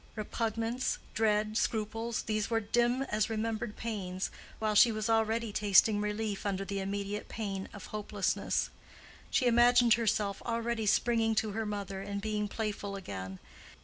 Repugnance, dread, scruples—these were dim as remembered pains, while she was already tasting relief under the immediate pain of hopelessness. She imagined herself already springing to her mother, and being playful again.